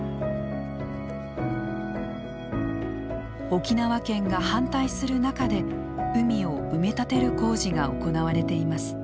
沖縄県が反対する中で海を埋め立てる工事が行われています。